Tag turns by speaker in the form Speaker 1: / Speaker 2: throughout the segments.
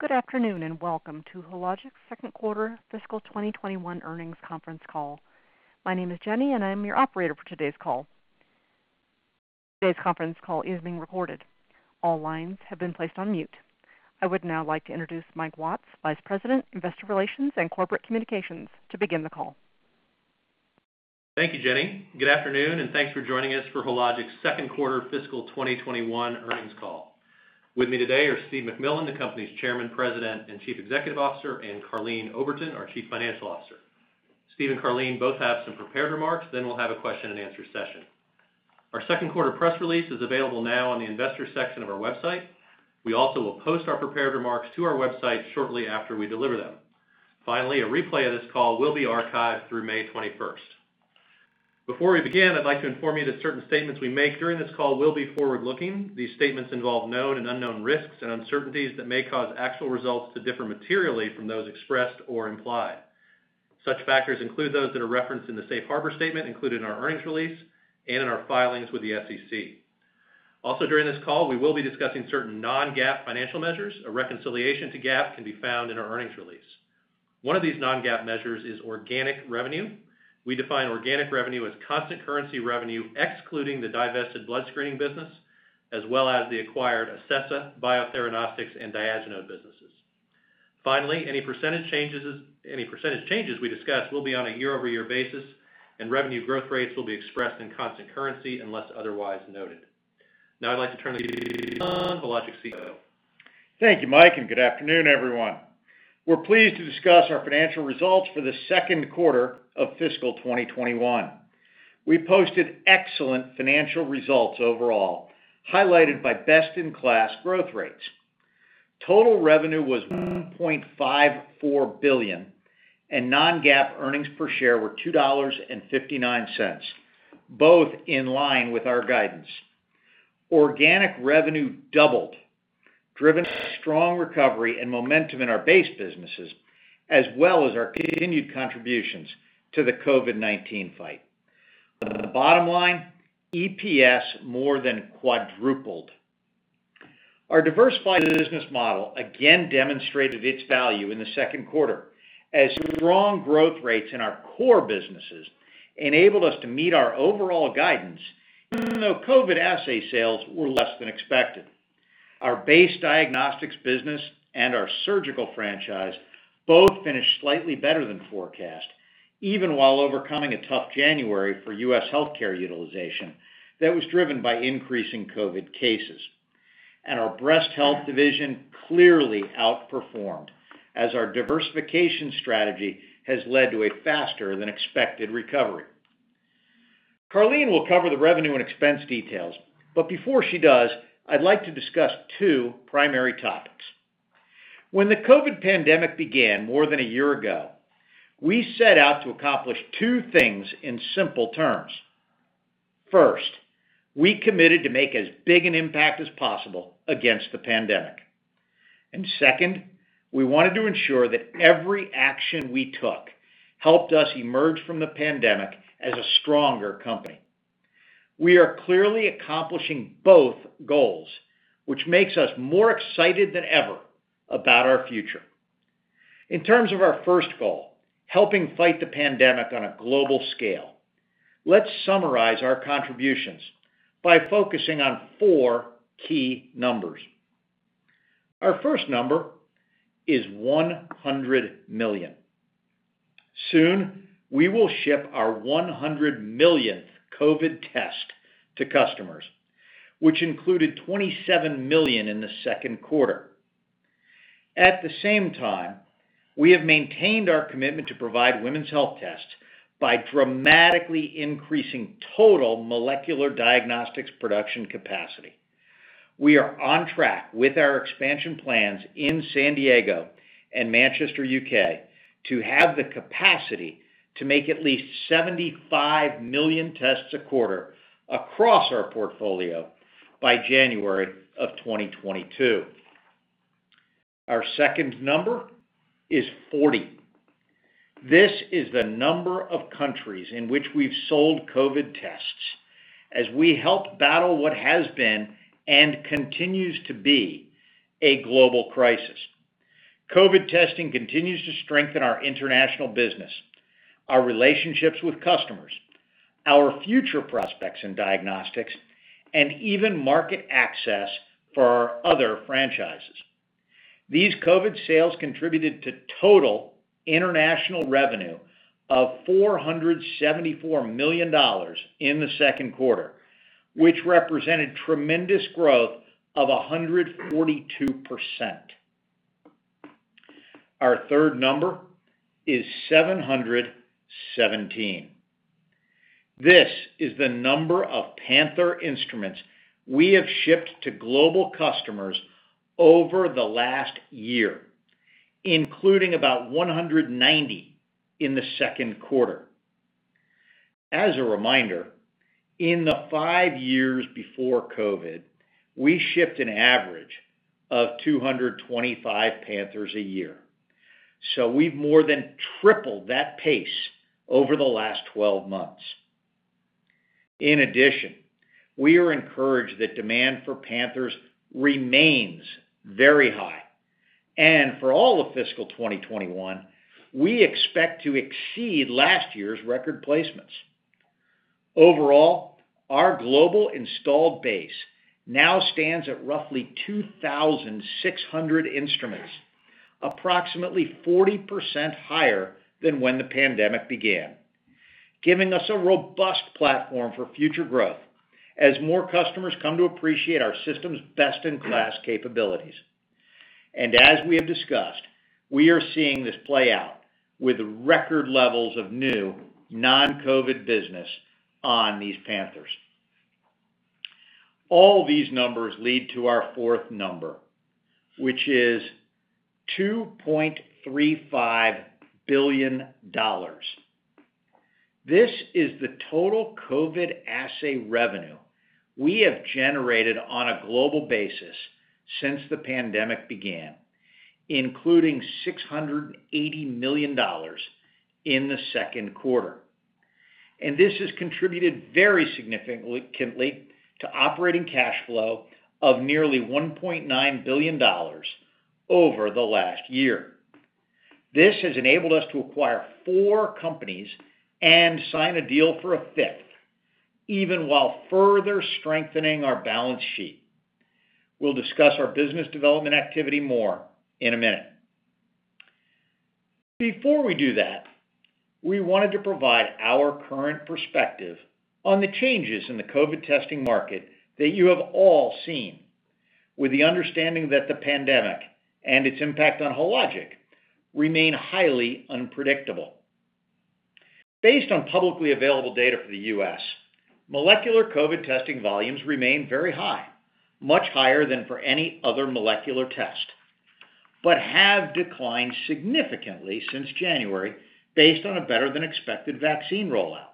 Speaker 1: Good afternoon, and welcome to Hologic's second quarter fiscal 2021 earnings conference call. My name is Jenny, and I'm your operator for today's call. Today's conference call is being recorded. All lines have been placed on mute. I would now like to introduce Mike Watts, Vice President, Investor Relations and Corporate Communications, to begin the call.
Speaker 2: Thank you, Jenny. Good afternoon, and thanks for joining us for Hologic's second quarter fiscal 2021 earnings call. With me today are Steve MacMillan, the company's Chairman, President, and Chief Executive Officer, and Karleen Oberton, our Chief Financial Officer. Steve and Karleen both have some prepared remarks, then we'll have a question and answer session. Our second quarter press release is available now on the investor section of our website. We also will post our prepared remarks to our website shortly after we deliver them. Finally, a replay of this call will be archived through May 21st. Before we begin, I'd like to inform you that certain statements we make during this call will be forward-looking. These statements involve known and unknown risks and uncertainties that may cause actual results to differ materially from those expressed or implied. Such factors include those that are referenced in the Safe Harbor statement included in our earnings release and in our filings with the SEC. Also during this call, we will be discussing certain non-GAAP financial measures. A reconciliation to GAAP can be found in our earnings release. One of these non-GAAP measures is organic revenue. We define organic revenue as constant currency revenue, excluding the divested blood screening business, as well as the acquired Acessa, Biotheranostics, and Diagenode businesses. Finally, any percentage changes we discuss will be on a year-over-year basis, and revenue growth rates will be expressed in constant currency unless otherwise noted. Now I'd like to turn the call over to Hologic's CEO.
Speaker 3: Thank you, Mike, and good afternoon, everyone. We're pleased to discuss our financial results for the second quarter of fiscal 2021. We posted excellent financial results overall, highlighted by best-in-class growth rates. Total revenue was $1.54 billion and non-GAAP earnings per share were $2.59, both in line with our guidance. Organic revenue doubled, driven by strong recovery and momentum in our base businesses, as well as our continued contributions to the COVID-19 fight. On the bottom line, EPS more than quadrupled. Our diversified business model again demonstrated its value in the second quarter as strong growth rates in our core businesses enabled us to meet our overall guidance, even though COVID assay sales were less than expected. Our base Diagnostics business and our Surgical franchise both finished slightly better than forecast, even while overcoming a tough January for U.S. healthcare utilization that was driven by increasing COVID cases. Our Breast Health division clearly outperformed as our diversification strategy has led to a faster than expected recovery. Karleen will cover the revenue and expense details, but before she does, I'd like to discuss two primary topics. When the COVID pandemic began more than one year ago, we set out to accomplish two things in simple terms. First, we committed to make as big an impact as possible against the pandemic. Second, we wanted to ensure that every action we took helped us emerge from the pandemic as a stronger company. We are clearly accomplishing both goals, which makes us more excited than ever about our future. In terms of our first goal, helping fight the pandemic on a global scale, let's summarize our contributions by focusing on four key numbers. Our first number is $100 million. Soon, we will ship our 100 millionth COVID test to customers, which included 27 million in the second quarter. At the same time, we have maintained our commitment to provide women's health tests by dramatically increasing total molecular diagnostics production capacity. We are on track with our expansion plans in San Diego and Manchester, U.K., to have the capacity to make at least 75 million tests a quarter across our portfolio by January of 2022. Our second number is 40. This is the number of countries in which we've sold COVID tests as we help battle what has been, and continues to be, a global crisis. COVID testing continues to strengthen our international business, our relationships with customers, our future prospects in diagnostics, and even market access for our other franchises. These COVID sales contributed to total international revenue of $474 million in the second quarter, which represented tremendous growth of 142%. Our third number is 717. This is the number of Panther instruments we have shipped to global customers over the last year, including about 190 in the second quarter. As a reminder, in the five years before COVID, we shipped an average of 225 Panthers a year. We've more than tripled that pace over the last 12 months. In addition, we are encouraged that demand for Panthers remains very high. For all of fiscal 2021, we expect to exceed last year's record placements. Overall, our global installed base now stands at roughly 2,600 instruments, approximately 40% higher than when the pandemic began, giving us a robust platform for future growth as more customers come to appreciate our system's best-in-class capabilities. As we have discussed, we are seeing this play out with record levels of new non-COVID business on these Panthers. All these numbers lead to our fourth number, which is $2.35 billion. This is the total COVID assay revenue we have generated on a global basis since the pandemic began, including $680 million in the second quarter. This has contributed very significantly to operating cash flow of nearly $1.9 billion over the last year. This has enabled us to acquire four companies and sign a deal for a fifth, even while further strengthening our balance sheet. We'll discuss our business development activity more in a minute. Before we do that, we wanted to provide our current perspective on the changes in the COVID testing market that you have all seen, with the understanding that the pandemic and its impact on Hologic remain highly unpredictable. Based on publicly available data for the U.S., molecular COVID testing volumes remain very high, much higher than for any other molecular test, but have declined significantly since January based on a better-than-expected vaccine rollout.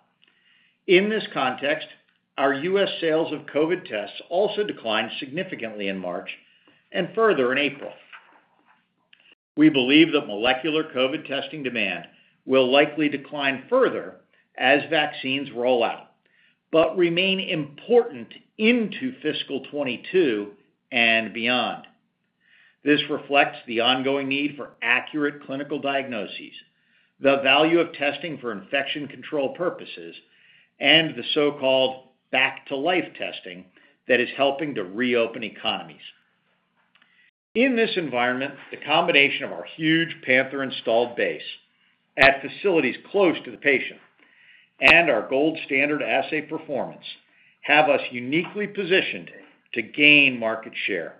Speaker 3: In this context, our U.S. sales of COVID tests also declined significantly in March and further in April. We believe that molecular COVID testing demand will likely decline further as vaccines roll out, but remain important into fiscal 2022 and beyond. This reflects the ongoing need for accurate clinical diagnoses, the value of testing for infection control purposes, and the so-called back to life testing that is helping to reopen economies. In this environment, the combination of our huge Panther installed base at facilities close to the patient and our gold standard assay performance have us uniquely positioned to gain market share.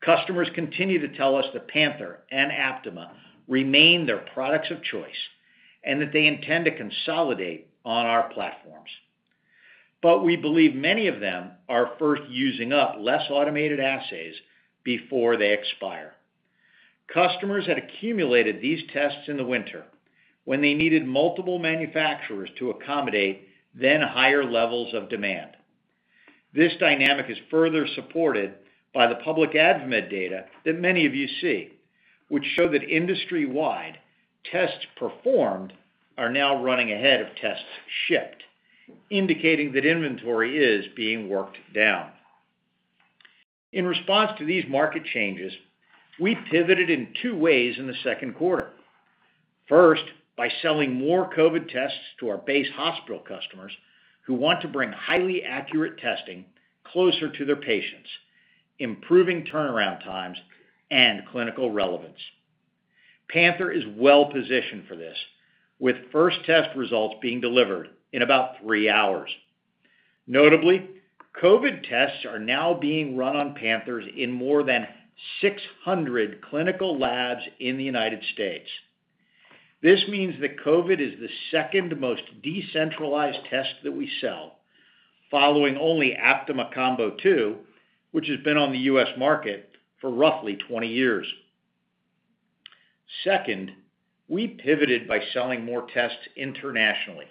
Speaker 3: Customers continue to tell us that Panther and Aptima remain their products of choice and that they intend to consolidate on our platforms. We believe many of them are first using up less automated assays before they expire. Customers had accumulated these tests in the winter when they needed multiple manufacturers to accommodate then higher levels of demand. This dynamic is further supported by the public AdvaMed data that many of you see, which show that industry-wide, tests performed are now running ahead of tests shipped, indicating that inventory is being worked down. In response to these market changes, we pivoted in two ways in the second quarter. First, by selling more COVID tests to our base hospital customers who want to bring highly accurate testing closer to their patients, improving turnaround times and clinical relevance. Panther is well-positioned for this, with first test results being delivered in about three hours. Notably, COVID tests are now being run on Panthers in more than 600 clinical labs in the United States. This means that COVID is the second most decentralized test that we sell, following only Aptima Combo 2, which has been on the U.S. market for roughly 20 years. Second, we pivoted by selling more tests internationally.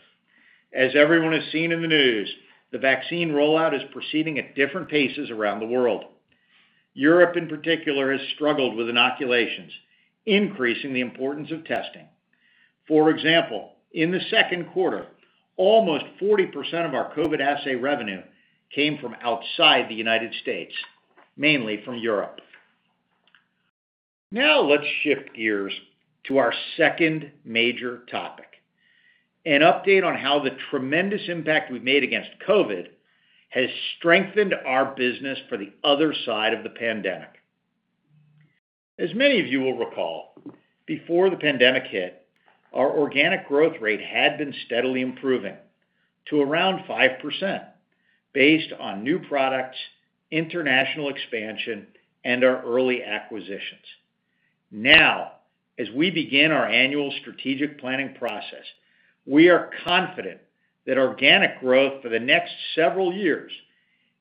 Speaker 3: As everyone has seen in the news, the vaccine rollout is proceeding at different paces around the world. Europe, in particular, has struggled with inoculations, increasing the importance of testing. For example, in the second quarter, almost 40% of our COVID assay revenue came from outside the United States, mainly from Europe. Let's shift gears to our second major topic, an update on how the tremendous impact we've made against COVID has strengthened our business for the other side of the pandemic. As many of you will recall, before the pandemic hit, our organic growth rate had been steadily improving to around 5% based on new products, international expansion, and our early acquisitions. As we begin our annual strategic planning process, we are confident that organic growth for the next several years,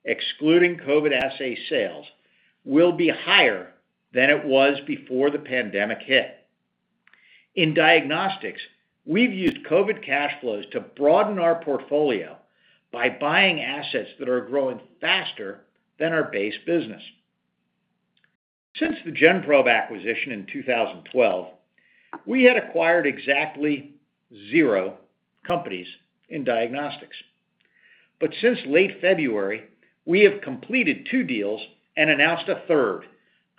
Speaker 3: excluding COVID assay sales, will be higher than it was before the pandemic hit. In Diagnostics, we've used COVID cash flows to broaden our portfolio by buying assets that are growing faster than our base business. Since the Gen-Probe acquisition in 2012, we had acquired exactly zero companies in Diagnostics. Since late February, we have completed two deals and announced a third,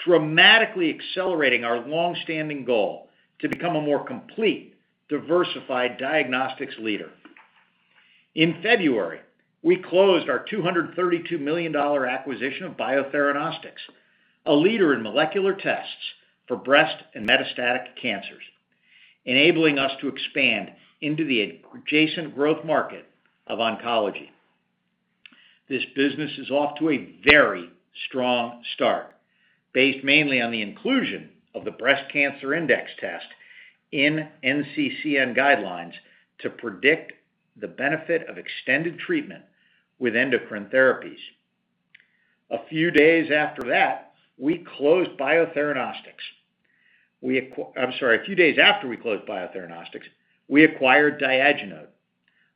Speaker 3: dramatically accelerating our longstanding goal to become a more complete, diversified diagnostics leader. In February, we closed our $232 million acquisition of Biotheranostics, a leader in molecular tests for breast and metastatic cancers, enabling us to expand into the adjacent growth market of oncology. This business is off to a very strong start, based mainly on the inclusion of the Breast Cancer Index test in NCCN guidelines to predict the benefit of extended treatment with endocrine therapies. A few days after we closed Biotheranostics, we acquired Diagenode,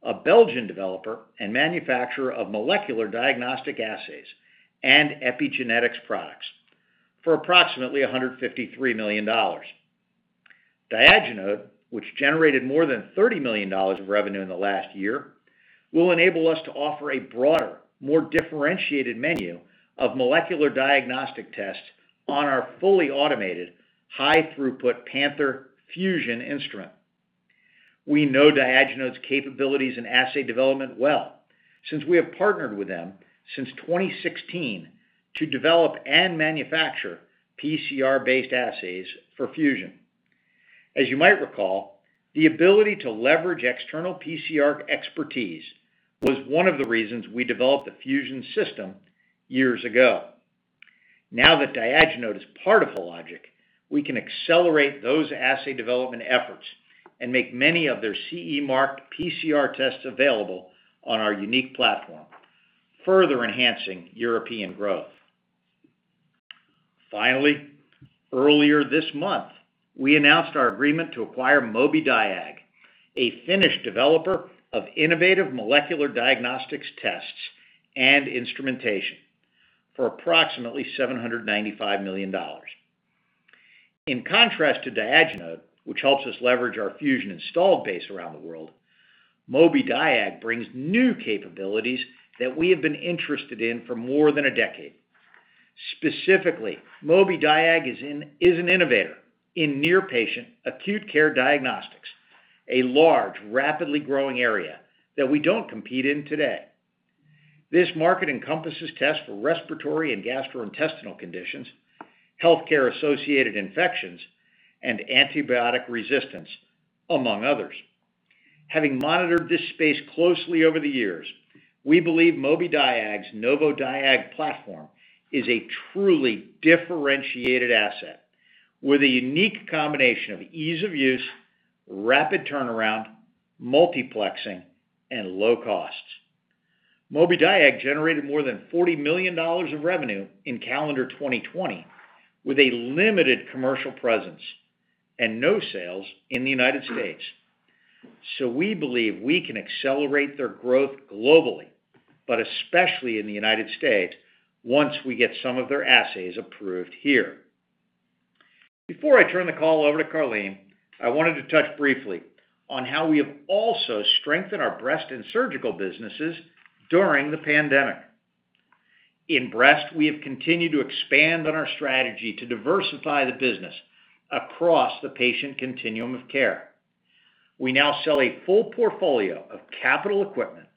Speaker 3: a Belgian developer and manufacturer of molecular diagnostic assays and epigenetics products for approximately $153 million. Diagenode, which generated more than $30 million of revenue in the last year, will enable us to offer a broader, more differentiated menu of molecular diagnostic tests on our fully automated high-throughput Panther Fusion instrument. We know Diagenode's capabilities in assay development well, since we have partnered with them since 2016 to develop and manufacture PCR-based assays for Fusion. As you might recall, the ability to leverage external PCR expertise was one of the reasons we developed the Fusion system years ago. Now that Diagenode is part of Hologic, we can accelerate those assay development efforts and make many of their CE-marked PCR tests available on our unique platform, further enhancing European growth. Finally, earlier this month, we announced our agreement to acquire Mobidiag, a Finnish developer of innovative molecular diagnostics tests and instrumentation, for approximately $795 million. In contrast to Diagenode, which helps us leverage our Fusion installed base around the world, Mobidiag brings new capabilities that we have been interested in for more than a decade. Specifically, Mobidiag is an innovator in near-patient, acute care diagnostics, a large, rapidly growing area that we don't compete in today. This market encompasses tests for respiratory and gastrointestinal conditions, healthcare-associated infections, and antibiotic resistance, among others. Having monitored this space closely over the years, we believe Mobidiag's Novodiag platform is a truly differentiated asset with a unique combination of ease of use, rapid turnaround, multiplexing, and low costs. Mobidiag generated more than $40 million of revenue in calendar 2020 with a limited commercial presence and no sales in the U.S. We believe we can accelerate their growth globally, but especially in the U.S., once we get some of their assays approved here. Before I turn the call over to Karleen, I wanted to touch briefly on how we have also strengthened our Breast and Surgical businesses during the pandemic. In Breast, we have continued to expand on our strategy to diversify the business across the patient continuum of care. We now sell a full portfolio of capital equipment,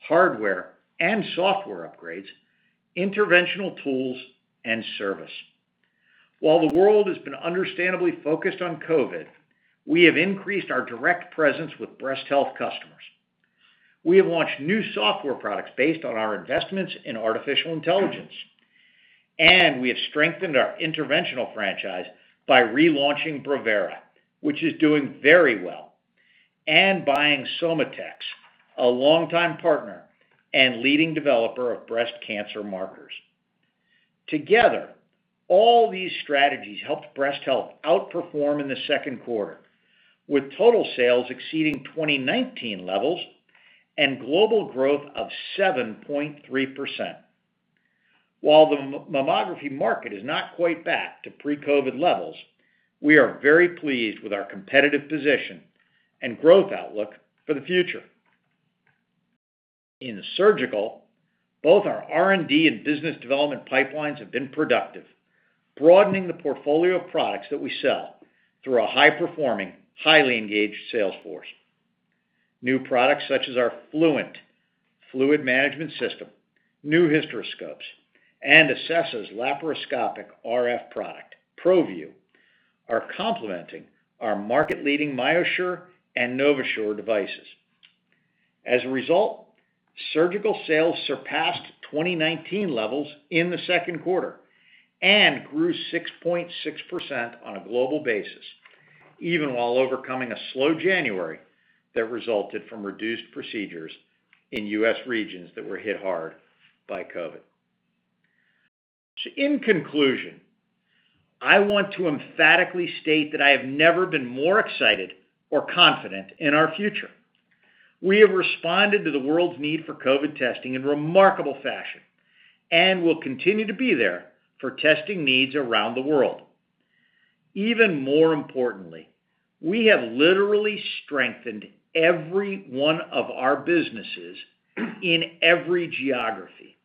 Speaker 3: hardware and software upgrades, interventional tools, and service. While the world has been understandably focused on COVID, we have increased our direct presence with Breast Health customers. We have launched new software products based on our investments in artificial intelligence, and we have strengthened our interventional franchise by relaunching Brevera, which is doing very well, and buying SOMATEX, a longtime partner and leading developer of breast cancer markers. Together, all these strategies helped breast health outperform in the second quarter, with total sales exceeding 2019 levels and global growth of 7.3%. While the mammography market is not quite back to pre-COVID levels, we are very pleased with our competitive position and growth outlook for the future. In Surgical, both our R&D and business development pipelines have been productive, broadening the portfolio of products that we sell through a high-performing, highly engaged sales force. New products such as our Fluent Fluid Management System, new hysteroscopes, and Acessa's laparoscopic RF product, ProVu, are complementing our market-leading MyoSure and NovaSure devices. As a result, Surgical sales surpassed 2019 levels in the second quarter and grew 6.6% on a global basis, even while overcoming a slow January that resulted from reduced procedures in U.S. regions that were hit hard by COVID. In conclusion, I want to emphatically state that I have never been more excited or confident in our future. We have responded to the world's need for COVID testing in remarkable fashion, and we'll continue to be there for testing needs around the world. Even more importantly, we have literally strengthened every one of our businesses in every geography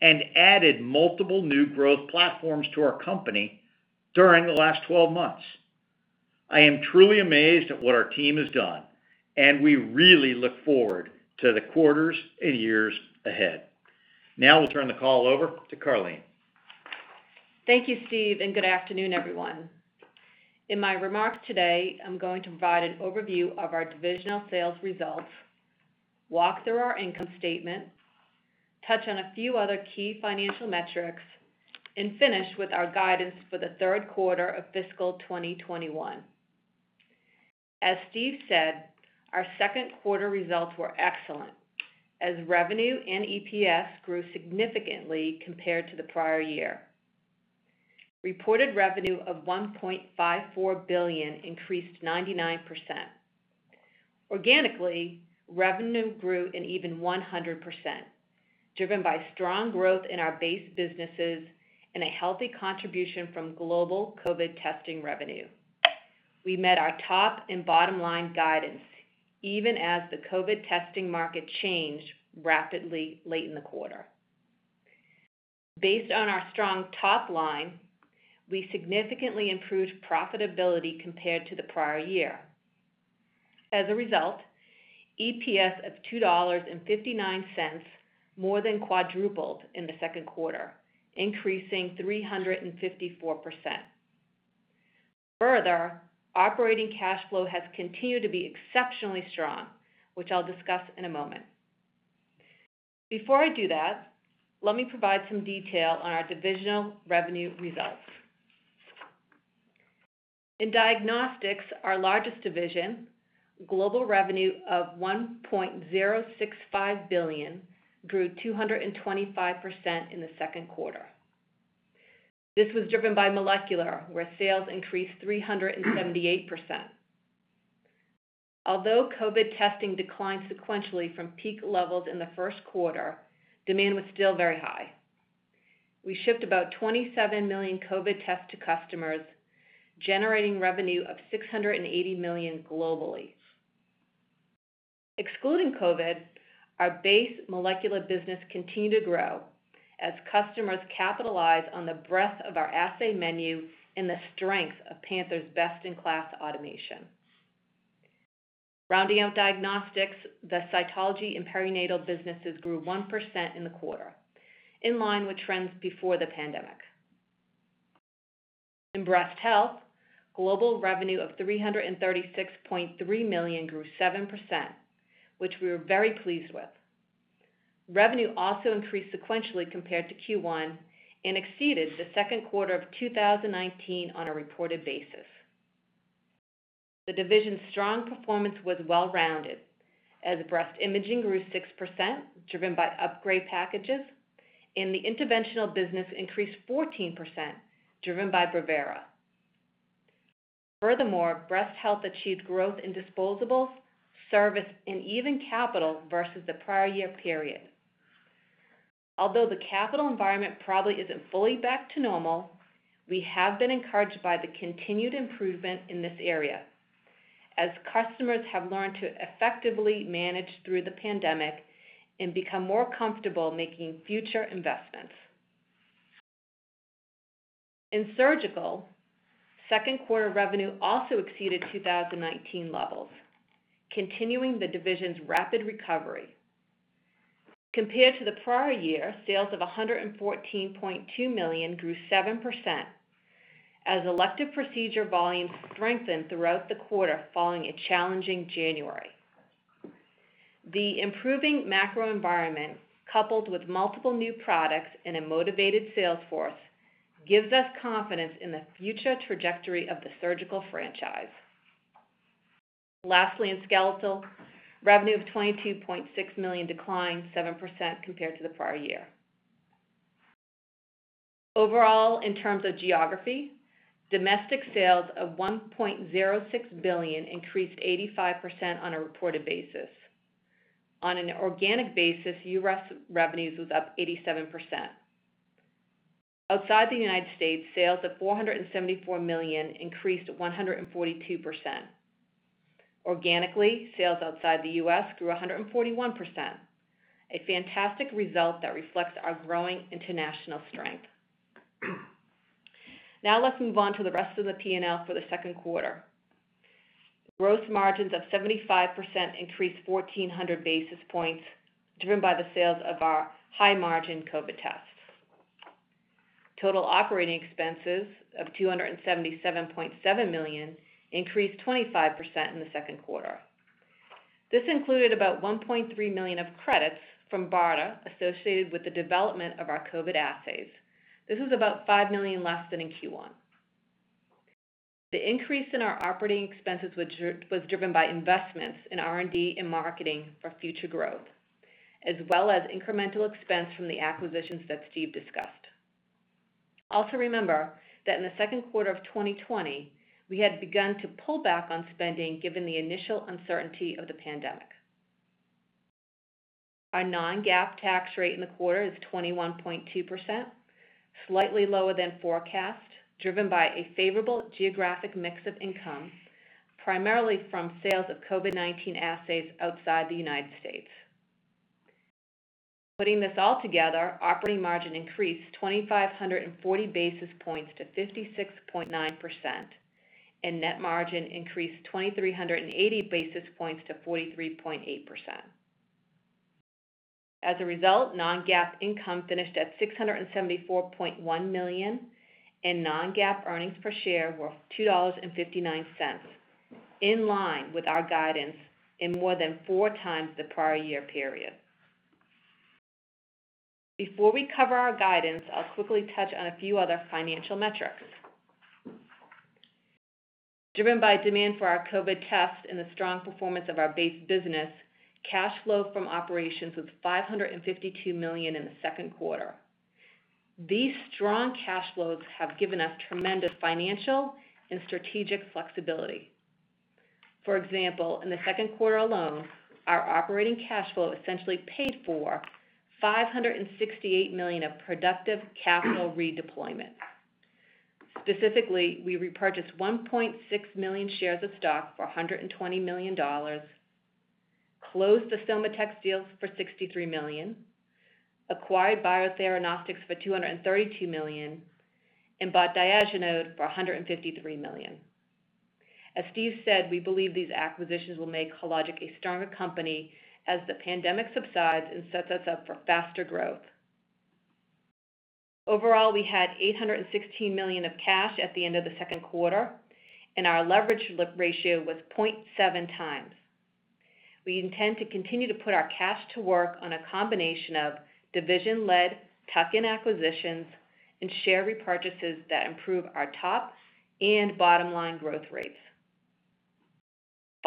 Speaker 3: and added multiple new growth platforms to our company during the last 12 months. I am truly amazed at what our team has done, and we really look forward to the quarters and years ahead. Now we'll turn the call over to Karleen.
Speaker 4: Thank you, Steve, and good afternoon, everyone. In my remarks today, I'm going to provide an overview of our divisional sales results, walk through our income statement, touch on a few other key financial metrics, and finish with our guidance for the third quarter of fiscal 2021. As Steve said, our second quarter results were excellent, as revenue and EPS grew significantly compared to the prior year. Reported revenue of $1.54 billion increased 99%. Organically, revenue grew an even 100%, driven by strong growth in our base businesses and a healthy contribution from global COVID testing revenue. We met our top and bottom line guidance, even as the COVID testing market changed rapidly late in the quarter. Based on our strong top line, we significantly improved profitability compared to the prior year. As a result, EPS of $2.59 more than quadrupled in the second quarter, increasing 354%. Further, operating cash flow has continued to be exceptionally strong, which I'll discuss in a moment. Before I do that, let me provide some detail on our divisional revenue results. In Diagnostics, our largest division, global revenue of $1.065 billion grew 225% in the second quarter. This was driven by molecular, where sales increased 378%. Although COVID testing declined sequentially from peak levels in the first quarter, demand was still very high. We shipped about 27 million COVID tests to customers, generating revenue of $680 million globally. Excluding COVID, our base molecular business continued to grow as customers capitalize on the breadth of our assay menu and the strength of Panther's best-in-class automation. Rounding out Diagnostics, the cytology and perinatal businesses grew 1% in the quarter, in line with trends before the pandemic. In Breast Health, global revenue of $336.3 million grew 7%, which we were very pleased with. Revenue also increased sequentially compared to Q1 and exceeded the second quarter of 2019 on a reported basis. The division's strong performance was well-rounded as Breast imaging grew 6%, driven by upgrade packages, and the interventional business increased 14%, driven by Brevera. Furthermore, Breast Health achieved growth in disposables, service, and even capital versus the prior year period. Although the capital environment probably isn't fully back to normal, we have been encouraged by the continued improvement in this area as customers have learned to effectively manage through the pandemic and become more comfortable making future investments. In Surgical, second quarter revenue also exceeded 2019 levels, continuing the division's rapid recovery. Compared to the prior year, sales of $114.2 million grew 7% as elective procedure volumes strengthened throughout the quarter following a challenging January. The improving macro environment, coupled with multiple new products and a motivated sales force, gives us confidence in the future trajectory of the Surgical franchise. Lastly, in skeletal, revenue of $22.6 million declined 7% compared to the prior year. Overall, in terms of geography, domestic sales of $1.06 billion increased 85% on a reported basis. On an organic basis, U.S. revenues was up 87%. Outside the United States, sales of $474 million increased 142%. Organically, sales outside the U.S. grew 141%, a fantastic result that reflects our growing international strength. Let's move on to the rest of the P&L for the second quarter. Gross margins of 75% increased 1,400 basis points, driven by the sales of our high-margin COVID tests. Total operating expenses of $277.7 million increased 25% in the second quarter. This included about $1.3 million of credits from BARDA associated with the development of our COVID assays. This is about $5 million less than in Q1. The increase in our operating expenses was driven by investments in R&D and marketing for future growth, as well as incremental expense from the acquisitions that Steve discussed. Remember that in the second quarter of 2020, we had begun to pull back on spending, given the initial uncertainty of the pandemic. Our non-GAAP tax rate in the quarter is 21.2%, slightly lower than forecast, driven by a favorable geographic mix of income, primarily from sales of COVID-19 assays outside the United States. Putting this all together, operating margin increased 2,540 basis points to 56.9%, and net margin increased 2,380 basis points to 43.8%. As a result, non-GAAP income finished at $674.1 million, and non-GAAP earnings per share were $2.59, in line with our guidance and more than 4x the prior year period. Before we cover our guidance, I'll quickly touch on a few other financial metrics. Driven by demand for our COVID tests and the strong performance of our base business, cash flow from operations was $552 million in the second quarter. These strong cash flows have given us tremendous financial and strategic flexibility. For example, in the second quarter alone, our operating cash flow essentially paid for $568 million of productive capital redeployment. Specifically, we repurchased 1.6 million shares of stock for $120 million, closed the SOMATEX deals for $63 million, acquired Biotheranostics for $232 million, and bought Diagenode for $153 million. As Steve said, we believe these acquisitions will make Hologic a stronger company as the pandemic subsides and sets us up for faster growth. Overall, we had $816 million of cash at the end of the second quarter, and our leverage ratio was 0.7x. We intend to continue to put our cash to work on a combination of division-led tuck-in acquisitions and share repurchases that improve our top and bottom-line growth rates.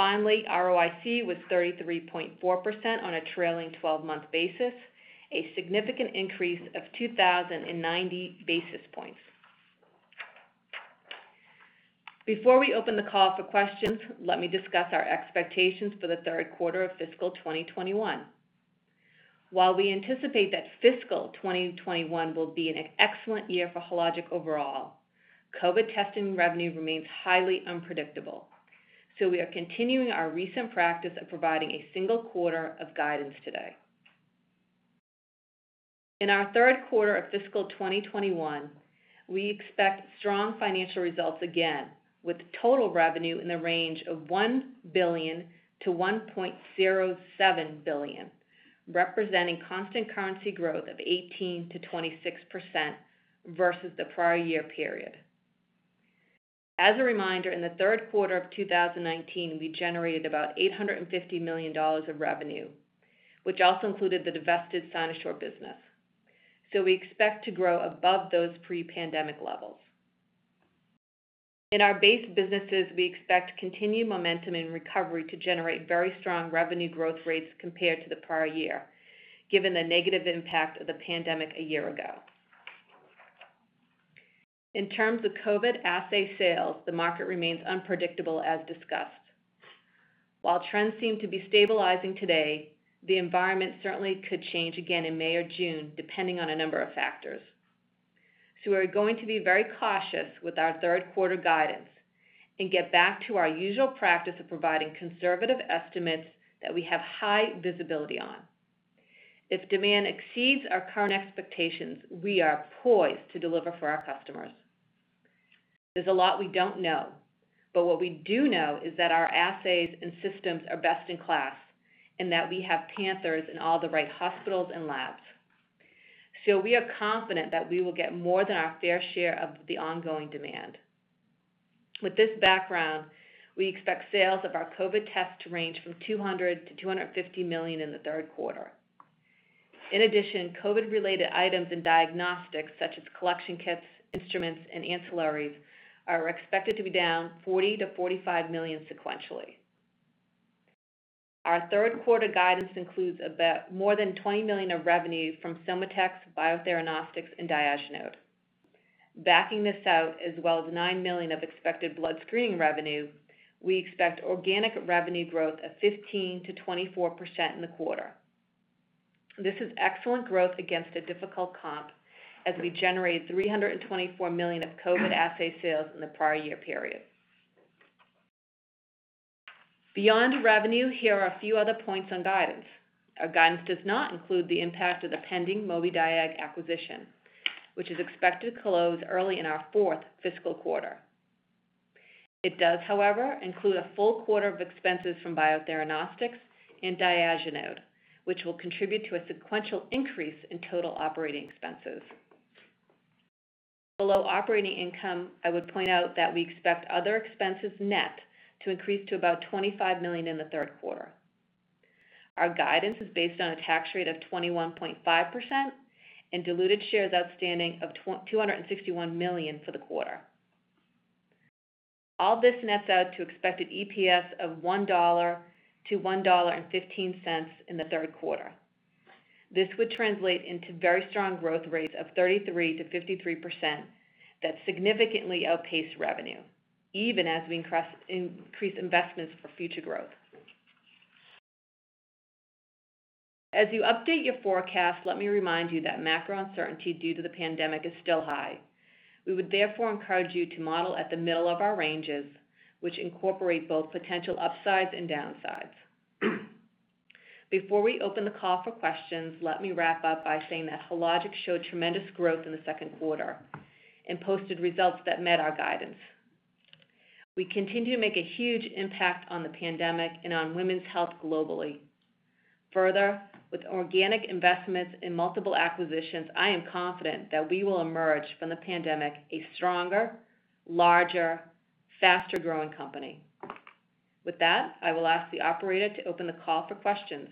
Speaker 4: Finally, ROIC was 33.4% on a trailing 12-month basis, a significant increase of 2,090 basis points. Before we open the call for questions, let me discuss our expectations for the third quarter of fiscal 2021. While we anticipate that fiscal 2021 will be an excellent year for Hologic overall, COVID testing revenue remains highly unpredictable. We are continuing our recent practice of providing a single quarter of guidance today. In our third quarter of fiscal 2021, we expect strong financial results again, with total revenue in the range of $1 billion-$1.07 billion, representing constant currency growth of 18%-26% versus the prior year period. As a reminder, in the third quarter of 2019, we generated about $850 million of revenue, which also included the divested Cynosure business. We expect to grow above those pre-pandemic levels. In our base businesses, we expect continued momentum and recovery to generate very strong revenue growth rates compared to the prior year, given the negative impact of the pandemic a year ago. In terms of COVID assay sales, the market remains unpredictable as discussed. While trends seem to be stabilizing today, the environment certainly could change again in May or June, depending on a number of factors. We're going to be very cautious with our third quarter guidance and get back to our usual practice of providing conservative estimates that we have high visibility on. If demand exceeds our current expectations, we are poised to deliver for our customers. There's a lot we don't know, but what we do know is that our assays and systems are best in class and that we have Panthers in all the right hospitals and labs. We are confident that we will get more than our fair share of the ongoing demand. With this background, we expect sales of our COVID test to range from $200 million to $250 million in the third quarter. In addition, COVID-related items in diagnostics, such as collection kits, instruments, and ancillaries, are expected to be down $40 million-$45 million sequentially. Our third quarter guidance includes about more than $20 million of revenue from SOMATEX, Biotheranostics, and Diagenode. Backing this out, as well as $9 million of expected blood screening revenue, we expect organic revenue growth of 15%-24% in the quarter. This is excellent growth against a difficult comp as we generated $324 million of COVID assay sales in the prior year period. Beyond revenue, here are a few other points on guidance. Our guidance does not include the impact of the pending Mobidiag acquisition, which is expected to close early in our fourth fiscal quarter. It does, however, include a full quarter of expenses from Biotheranostics and Diagenode, which will contribute to a sequential increase in total operating expenses. Below operating income, I would point out that we expect other expenses net to increase to about $25 million in the third quarter. Our guidance is based on a tax rate of 21.5% and diluted shares outstanding of 261 million for the quarter. All this nets out to expected EPS of $1-$1.15 in the third quarter. This would translate into very strong growth rates of 33%-53% that significantly outpace revenue, even as we increase investments for future growth. As you update your forecast, let me remind you that macro uncertainty due to the pandemic is still high. We would therefore encourage you to model at the middle of our ranges, which incorporate both potential upsides and downsides. Before we open the call for questions, let me wrap up by saying that Hologic showed tremendous growth in the second quarter and posted results that met our guidance. We continue to make a huge impact on the pandemic and on women's health globally. Further, with organic investments in multiple acquisitions, I am confident that we will emerge from the pandemic a stronger, larger, faster-growing company. With that, I will ask the operator to open the call for questions.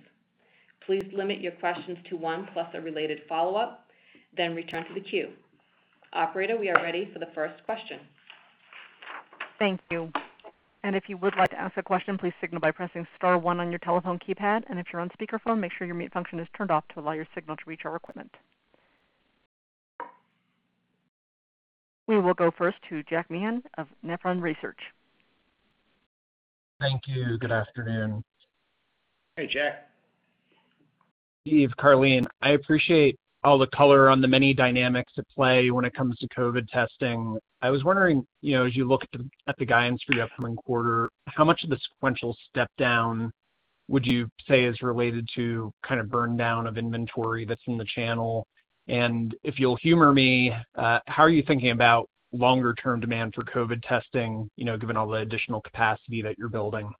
Speaker 4: Please limit your questions to one plus a related follow-up, then return to the queue. Operator, we are ready for the first question.
Speaker 1: Thank you. If you would like to ask a question, please signal by pressing star one on your telephone keypad. If you're on speakerphone, make sure your mute function is turned off to allow your signal to reach our equipment. We will go first to Jack Meehan of Nephron Research.
Speaker 5: Thank you. Good afternoon.
Speaker 3: Hey, Jack.
Speaker 5: Steve, Karleen, I appreciate all the color on the many dynamics at play when it comes to COVID testing. I was wondering, as you look at the guidance for your upcoming quarter, how much of the sequential step down would you say is related to kind of burn down of inventory that's in the channel? If you'll humor me, how are you thinking about longer-term demand for COVID testing, given all the additional capacity that you're building?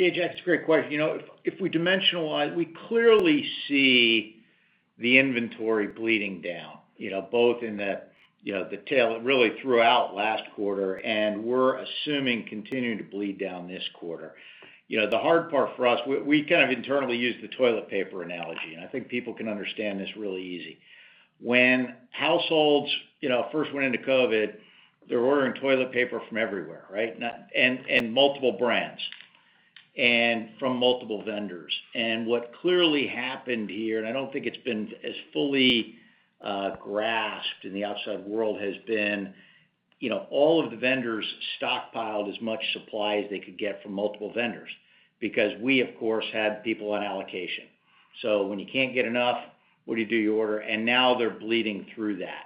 Speaker 3: Yeah, Jack, it's a great question. If we dimensionalize, we clearly see the inventory bleeding down, both in the tail really throughout last quarter, and we're assuming continuing to bleed down this quarter. The hard part for us, we kind of internally use the toilet paper analogy, and I think people can understand this really easy. When households first went into COVID, they're ordering toilet paper from everywhere, right? Multiple brands and from multiple vendors. What clearly happened here, and I don't think it's been as fully grasped in the outside world, has been all of the vendors stockpiled as much supply as they could get from multiple vendors because we, of course, had people on allocation. When you can't get enough, what do you do? You order. Now they're bleeding through that.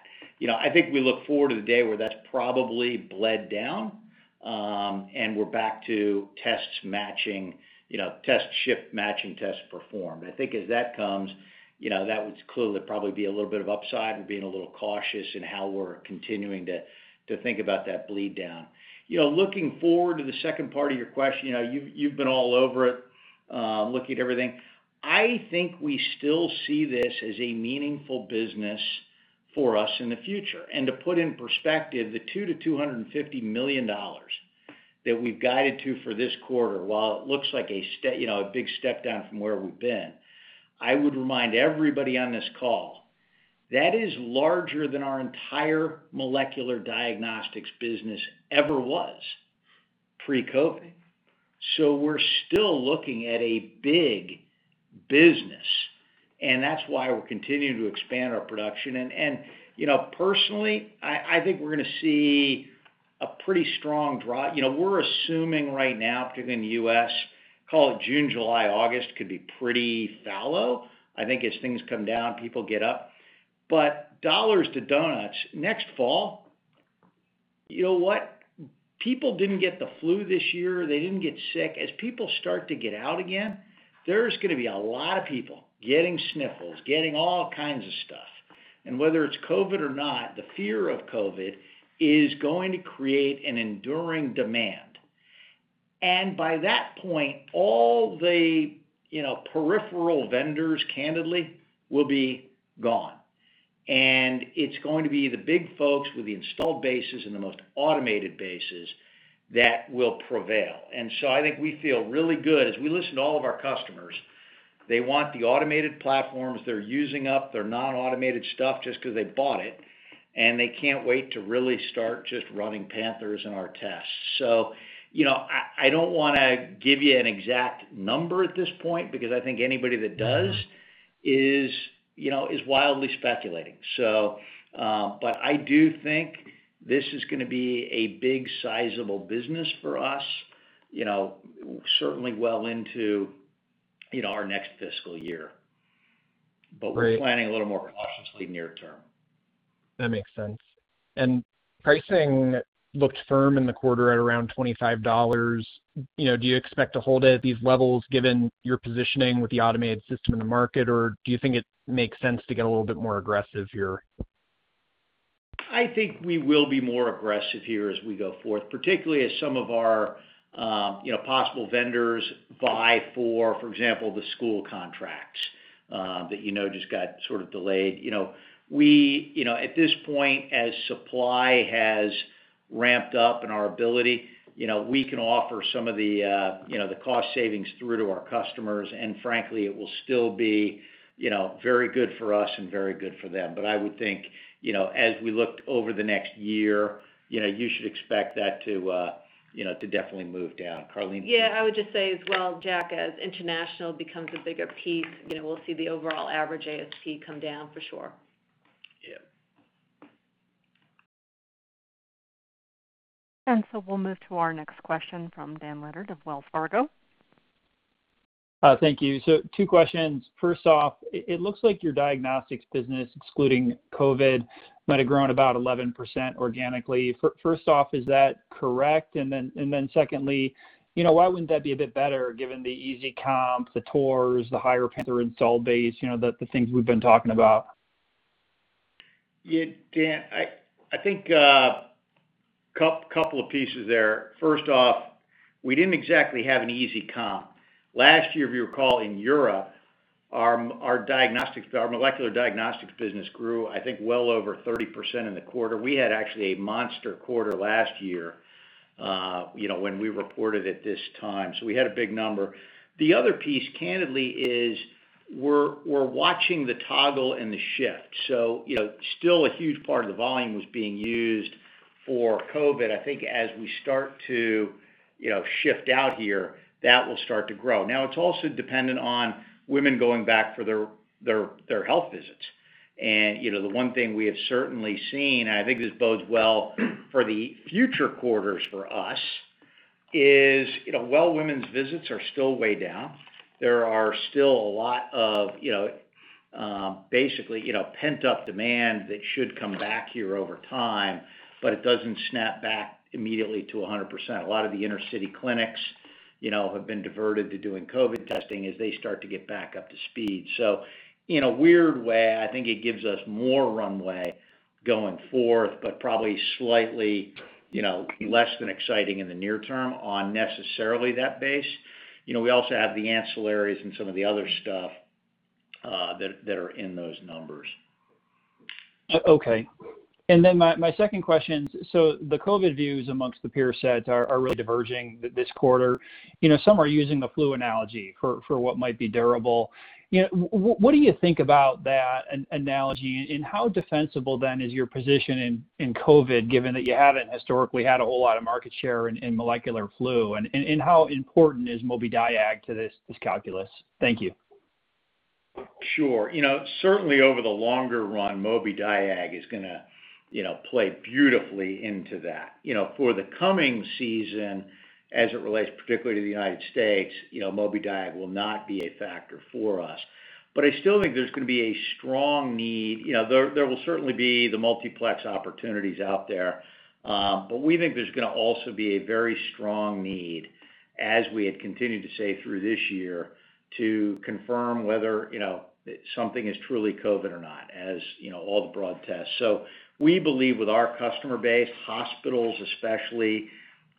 Speaker 3: I think we look forward to the day where that's probably bled down, and we're back to tests matching, test shipped matching tests performed. I think as that comes, that would clearly probably be a little bit of upside. We're being a little cautious in how we're continuing to think about that bleed down. Looking forward to the second part of your question, you've been all over it looking at everything. I think we still see this as a meaningful business for us in the future. To put in perspective, the $200 million-$250 million that we've guided to for this quarter, while it looks like a big step down from where we've been, I would remind everybody on this call, that is larger than our entire molecular Diagnostics business ever was pre-COVID. We're still looking at a big business, and that's why we're continuing to expand our production. Personally, I think we're going to see a pretty strong drop. We're assuming right now, particularly in the U.S., call it June, July, August, could be pretty fallow. I think as things come down, people get up. Dollars to donuts, next fall, you know what? People didn't get the flu this year. They didn't get sick. As people start to get out again, there's going to be a lot of people getting sniffles, getting all kinds of stuff. Whether it's COVID or not, the fear of COVID is going to create an enduring demand. By that point, all the peripheral vendors, candidly, will be gone, and it's going to be the big folks with the installed bases and the most automated bases that will prevail. I think we feel really good as we listen to all of our customers. They want the automated platforms. They're using up their non-automated stuff just because they bought it, and they can't wait to really start just running Panthers in our tests. I don't want to give you an exact number at this point, because I think anybody that does is wildly speculating. I do think this is going to be a big, sizable business for us, certainly well into our next fiscal year.
Speaker 5: Great.
Speaker 3: We're planning a little more cautiously near term.
Speaker 5: That makes sense. Pricing looked firm in the quarter at around $25. Do you expect to hold it at these levels given your positioning with the automated system in the market, or do you think it makes sense to get a little bit more aggressive here?
Speaker 3: I think we will be more aggressive here as we go forth, particularly as some of our possible vendors vie for example, the school contracts. That just got sort of delayed. At this point, as supply has ramped up in our ability, we can offer some of the cost savings through to our customers, and frankly, it will still be very good for us and very good for them. I would think, as we look over the next year, you should expect that to definitely move down. Karleen?
Speaker 4: Yeah, I would just say as well, Jack, as international becomes a bigger piece, we'll see the overall average ASP come down for sure.
Speaker 3: Yeah.
Speaker 1: We'll move to our next question from Dan Leonard of Wells Fargo.
Speaker 6: Thank you. Two questions. First off, it looks like your Diagnostics business, excluding COVID, might have grown about 11% organically. First off, is that correct? Secondly, why wouldn't that be a bit better given the easy comp, the tours, the higher Panther install base, the things we've been talking about?
Speaker 3: Yeah, Dan, I think a couple of pieces there. First off, we didn't exactly have an easy comp. Last year, if you recall, in Europe, our molecular Diagnostics business grew, I think, well over 30% in the quarter. We had actually a monster quarter last year, when we reported at this time. We had a big number. The other piece candidly is we're watching the toggle and the shift. Still a huge part of the volume was being used for COVID. I think as we start to shift out here, that will start to grow. It's also dependent on women going back for their health visits. The one thing we have certainly seen, and I think this bodes well for the future quarters for us, is while women's visits are still way down, there are still a lot of basically pent-up demand that should come back here over time, but it doesn't snap back immediately to 100%. A lot of the inner-city clinics have been diverted to doing COVID testing as they start to get back up to speed. In a weird way, I think it gives us more runway going forth, but probably slightly less than exciting in the near term on necessarily that base. We also have the ancillaries and some of the other stuff that are in those numbers.
Speaker 6: Okay. My second question, the COVID views amongst the peer sets are really diverging this quarter. Some are using the flu analogy for what might be durable. What do you think about that analogy, and how defensible then is your position in COVID, given that you haven't historically had a whole lot of market share in molecular flu? How important is Mobidiag to this calculus? Thank you.
Speaker 3: Sure. Certainly over the longer run, Mobidiag is going to play beautifully into that. For the coming season, as it relates particularly to the United States, Mobidiag will not be a factor for us. I still think there's going to be a strong need. There will certainly be the multiplex opportunities out there. We think there's going to also be a very strong need, as we had continued to say through this year, to confirm whether something is truly COVID or not, as all the broad tests. We believe with our customer base, hospitals especially,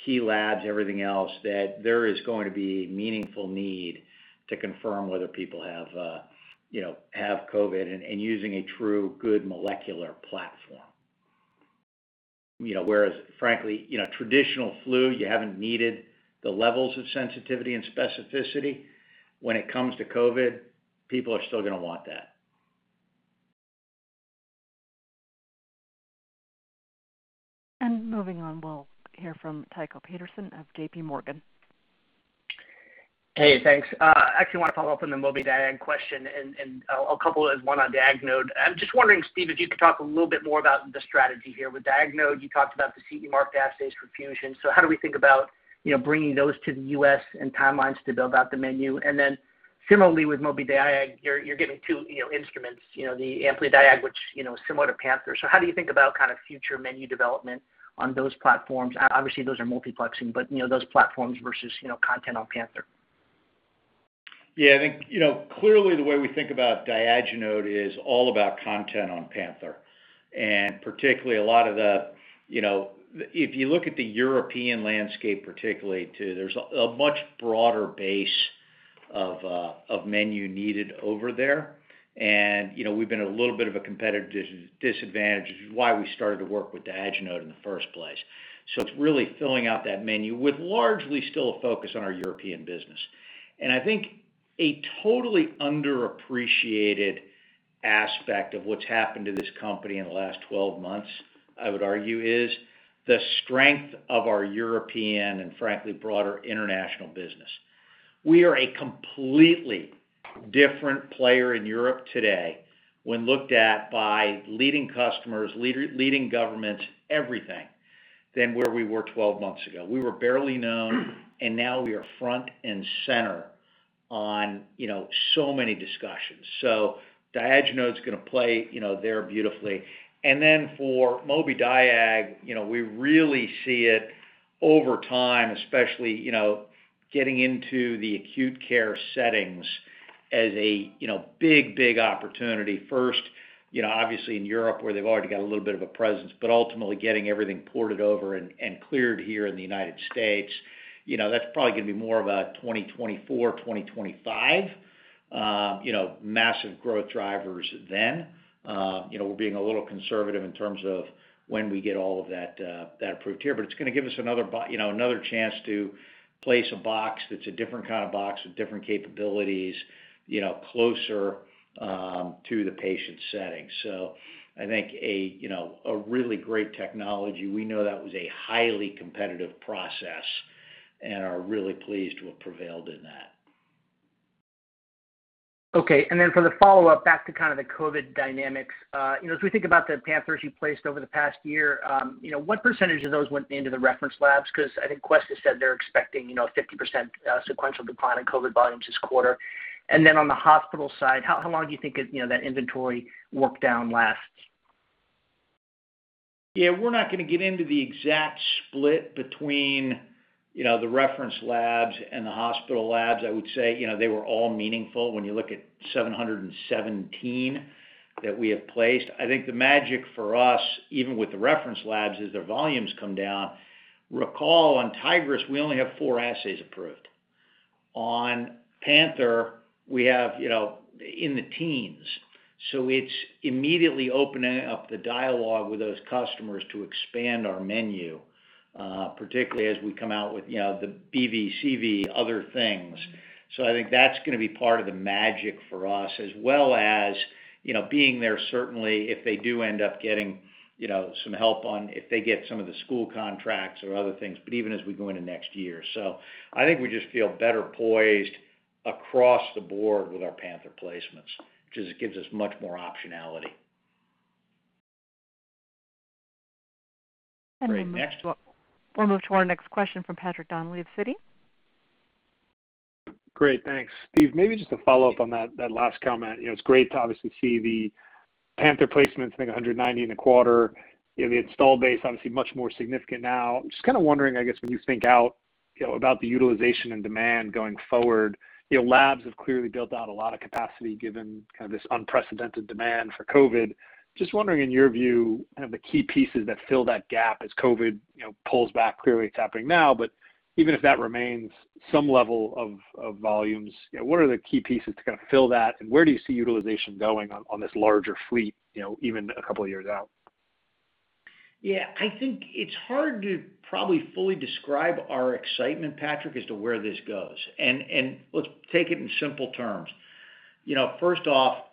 Speaker 3: key labs, everything else, that there is going to be meaningful need to confirm whether people have COVID and using a true good molecular platform. Whereas frankly, traditional flu, you haven't needed the levels of sensitivity and specificity. When it comes to COVID, people are still going to want that.
Speaker 1: Moving on, we'll hear from Tycho Peterson of JPMorgan.
Speaker 7: Hey, thanks. I actually want to follow up on the Mobidiag question and I'll couple it as one on Diagenode. I'm just wondering, Steve, if you could talk a little bit more about the strategy here. With Diagenode, you talked about the CE mark assays for Fusion. How do we think about bringing those to the U.S. and timelines to build out the menu? Similarly with Mobidiag, you're giving two instruments, the Amplidiag, which is similar to Panther. How do you think about kind of future menu development on those platforms? Obviously, those are multiplexing, but those platforms versus content on Panther.
Speaker 3: Yeah, I think, clearly the way we think about Diagenode is all about content on Panther. Particularly a lot of the, if you look at the European landscape particularly too, there's a much broader base of menu needed over there. We've been at a little bit of a competitive disadvantage, which is why we started to work with Diagenode in the first place. It's really filling out that menu with largely still a focus on our European business. I think a totally underappreciated aspect of what's happened to this company in the last 12 months, I would argue, is the strength of our European and frankly, broader international business. We are a completely different player in Europe today when looked at by leading customers, leading governments, everything, than where we were 12 months ago. We were barely known, and now we are front and center on so many discussions. Diagenode's going to play there beautifully. For Mobidiag, we really see it over time, especially, getting into the acute care settings as a big opportunity first, obviously in Europe, where they've already got a little bit of a presence, but ultimately getting everything ported over and cleared here in the United States. That's probably going to be more of a 2024-2025 massive growth drivers then. We're being a little conservative in terms of when we get all of that approved here. It's going to give us another chance to place a box that's a different kind of box with different capabilities, closer to the patient setting. I think a really great technology. We know that was a highly competitive process and are really pleased to have prevailed in that.
Speaker 7: Okay. For the follow-up, back to kind of the COVID dynamics. As we think about the Panther you placed over the past year, what percentage of those went into the reference labs? I think Quest has said they're expecting a 50% sequential decline in COVID volumes this quarter. On the hospital side, how long do you think that inventory work down lasts?
Speaker 3: Yeah, we're not going to get into the exact split between the reference labs and the hospital labs. I would say, they were all meaningful when you look at 717 that we have placed. I think the magic for us, even with the reference labs, as their volumes come down, recall on Tigris, we only have four assays approved. On Panther, we have in the teens. It's immediately opening up the dialogue with those customers to expand our menu, particularly as we come out with the BV, CV, other things. I think that's going to be part of the magic for us as well as being there certainly if they do end up getting some help on, if they get some of the school contracts or other things, but even as we go into next year. I think we just feel better poised across the board with our Panther placements, just gives us much more optionality.
Speaker 1: We'll move to our next question from Patrick Donnelly of Citi.
Speaker 8: Great, thanks. Steve, maybe just a follow-up on that last comment. It's great to obviously see the Panther placements, I think 190 in the quarter. The install base obviously much more significant now. I'm just kind of wondering, I guess, when you think out about the utilization and demand going forward, labs have clearly built out a lot of capacity given kind of this unprecedented demand for COVID. Just wondering in your view, kind of the key pieces that fill that gap as COVID pulls back. Clearly it's happening now, but even if that remains some level of volumes, what are the key pieces to kind of fill that, and where do you see utilization going on this larger fleet even a couple of years out?
Speaker 3: Yeah, I think it's hard to probably fully describe our excitement, Patrick, as to where this goes. Let's take it in simple terms. First off,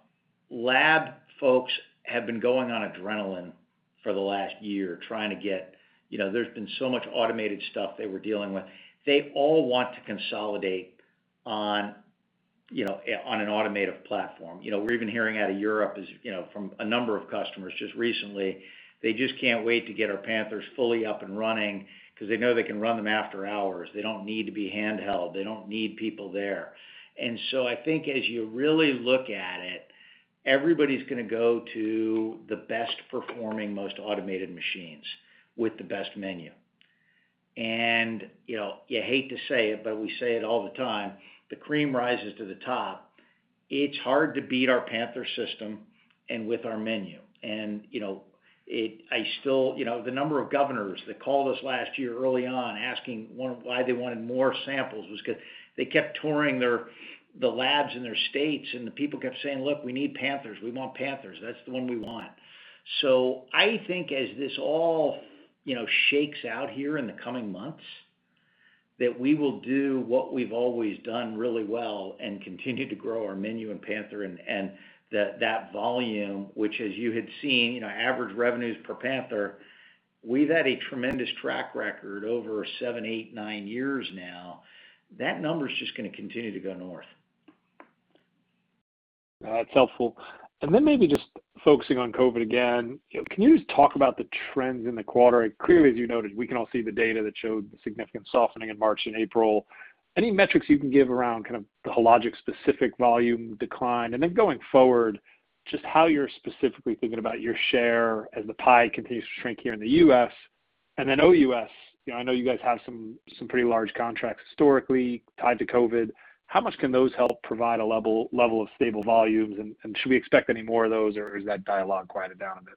Speaker 3: lab folks have been going on adrenaline for the last year. There's been so much automated stuff they were dealing with. They all want to consolidate on an automated platform. We're even hearing out of Europe from a number of customers just recently. They just can't wait to get our Panther fully up and running because they know they can run them after hours. They don't need to be handheld. They don't need people there. I think as you really look at it, everybody's going to go to the best performing, most automated machines with the best menu. You hate to say it, but we say it all the time, the cream rises to the top. It's hard to beat our Panther system and with our menu. The number of governors that called us last year early on asking why they wanted more samples was because they kept touring the labs in their states, and the people kept saying, "Look, we need Panthers. We want Panthers. That's the one we want." I think as this all shakes out here in the coming months, that we will do what we've always done really well and continue to grow our menu and Panther and that volume, which as you had seen average revenues per Panther, we've had a tremendous track record over seven, eight, nine years now. That number's just going to continue to go north.
Speaker 8: That's helpful. Maybe just focusing on COVID again, can you just talk about the trends in the quarter? Clearly, as you noted, we can all see the data that showed the significant softening in March and April. Any metrics you can give around kind of the Hologic specific volume decline? Going forward, just how you're specifically thinking about your share as the pie continues to shrink here in the U.S. OUS, I know you guys have some pretty large contracts historically tied to COVID. How much can those help provide a level of stable volumes, and should we expect any more of those, or has that dialogue quieted down a bit?